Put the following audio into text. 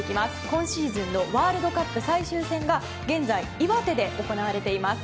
今シーズンのワールドカップ最終戦が現在、岩手で行われています。